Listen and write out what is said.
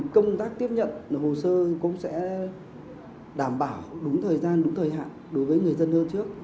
công tác tiếp nhận hồ sơ cũng sẽ đảm bảo đúng thời gian đúng thời hạn đối với người dân hơn trước